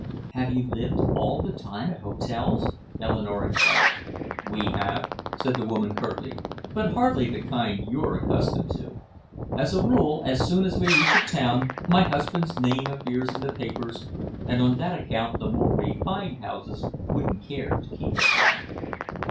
"Have you lived all the time at hotels?" Eleanore inquired. "We have," said the woman curtly, "but hardly the kind you're accustomed to. As a rule, as soon as we reach a town my husband's name appears in the papers, and on that account the more refined houses wouldn't care to keep us long."